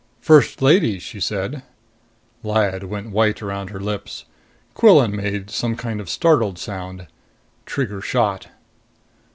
"First Lady " she said. Lyad went white around the lips. Quillan made some kind of startled sound. Trigger shot.